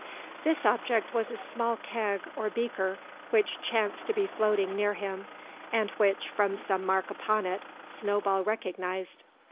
This object was a small keg, or beaker, which chanced to be floating near him, and which, from some mark upon it, Snowball recognised.